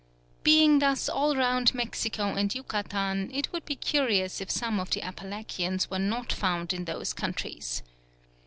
Being thus all round Mexico and Yucatan, it would be curious if some of the Apalachians were not found in those countries.